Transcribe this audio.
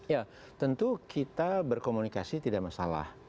ya tentu kita berkomunikasi tidak masalah